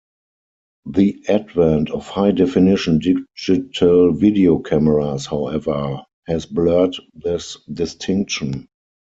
The advent of high definition digital video cameras, however, has blurred this distinction.